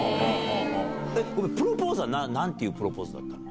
プロポーズはなんていうプロポーズだったの？